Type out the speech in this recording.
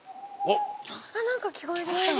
あっ何か聞こえてきた。